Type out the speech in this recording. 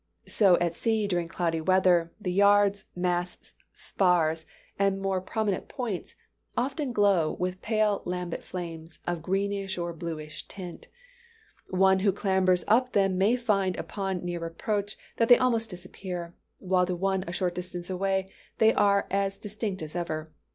So at sea during cloudy weather, the yards, masts, spars and other more prominent points often glow with pale lambent flames, of greenish or bluish tint. One who clambers up to them may find upon near approach that they almost disappear; while to one a short distance away they are as distinct as ever.